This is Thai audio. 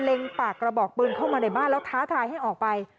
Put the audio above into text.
ปากกระบอกปืนเข้ามาในบ้านแล้วท้าทายให้ออกไป